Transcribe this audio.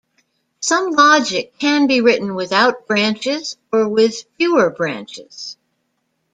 Some logic can be written without branches or with fewer branches.